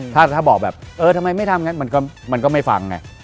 ถ้าบอกแบบเออทำไมไม่ทำงั้นมันก็ไม่ฟังไง